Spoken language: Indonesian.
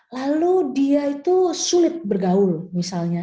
lalu dia itu sulit bergaul misalnya